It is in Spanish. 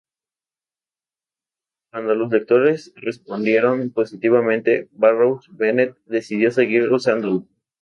Cuando los lectores respondieron positivamente, Barrows Bennett decidió seguir usándolo.